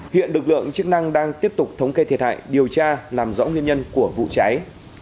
hiện lực lượng chức năng đang tiếp tục thống kê thiệt hại điều tra làm rõ nguyên nhân của vụ cháy